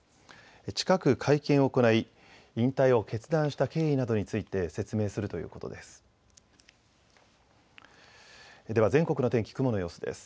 近く会見を行い引退を決断した経緯などについて説明するということです。